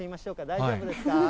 大丈夫ですか？